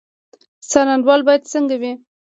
څارنوال باید څنګه وي؟